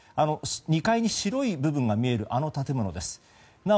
２階に白い部分が見える建物です。